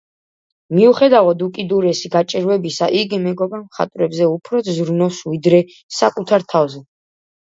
მიუხედავად უკიდურესი გაჭირვებისა, იგი მეგობარ მხატვრებზე უფრო ზრუნავს, ვიდრე საკუთარ თავზე.